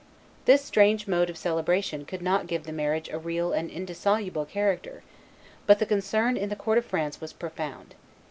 This strange mode of celebration could not give the marriage a real and indissoluble character; but the concern in the court of France was profound.